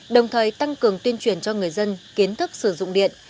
đồng thời tăng cường tuyên truyền cho người dân kiến thức sử dụng điện